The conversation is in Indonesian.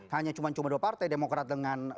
hanya cuma dua partai demokrat dengan